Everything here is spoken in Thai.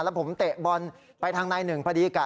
แล้วผมเตะบอลไปทางนายหนึ่งพอดีกะ